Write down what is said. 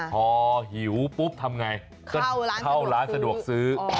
พอหิวปุ๊บทำไงก็เข้าร้านสะดวกซื้อ